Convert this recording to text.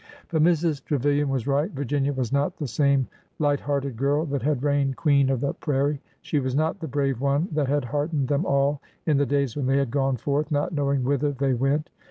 But Mrs. Trevilian was right. Virginia was not the same light hearted girl that had reigned queen of the prairie "; she was not the brave one that had heartened them all in the days when they had gone forth, not know ing whither they went.